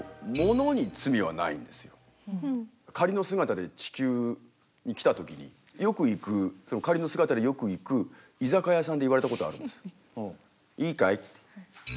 あの仮の姿で地球に来た時によく行く仮の姿でよく行く居酒屋さんで言われたことあるんです。